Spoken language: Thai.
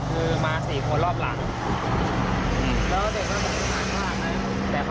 คือมาสี่คนรอบหลังแล้วเด็กเขามากันมากนะ